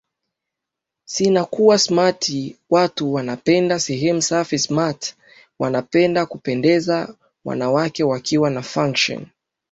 sinakuwa smart watu wanapenda sehemu safi smart wanapenda kupendeza wanawake wakiwa na function